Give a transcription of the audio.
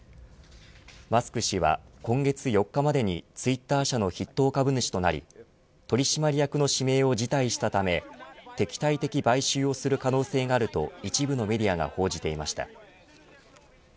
マスク氏は今月４日までにツイッター社の筆頭株主となり取締役の指名を辞退したため敵対的買収をする可能性があると一部のメディアが報じていました。